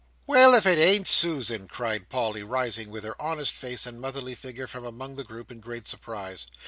"Why, if it ain't Susan!" cried Polly, rising with her honest face and motherly figure from among the group, in great surprise.